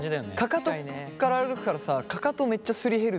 かかとから歩くからさかかとめっちゃすり減るでしょ？